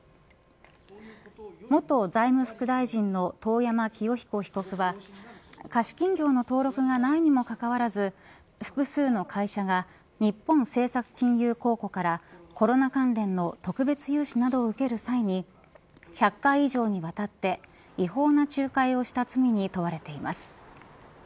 元財務副大臣の遠山清彦被告は貸金業の登録がないにもかかわらず複数の会社が日本政策金融公庫からコロナ関連の特別融資などを受ける際に１００回以上にわたって違法な仲介をした罪に問われています。